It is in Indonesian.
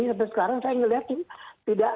sampai sekarang saya melihatnya tidak